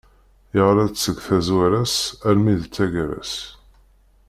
Yeɣra-tt seg tazwara-s almi d taggara-s.